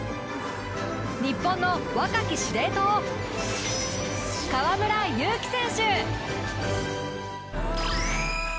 日本の若き司令塔河村勇輝選手！